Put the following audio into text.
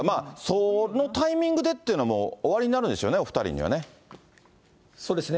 そのタイミングでっていうのもおありになるんでしょうね、そうですね。